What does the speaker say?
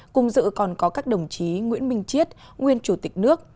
cùng dự còn có các đồng chí nguyễn minh chiết nguyên chủ tịch nước